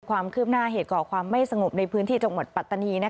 ความคืบหน้าเหตุก่อความไม่สงบในพื้นที่จังหวัดปัตตานี